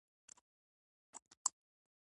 عمرا خان د اسمار له لارې جلال آباد ته ورسېد.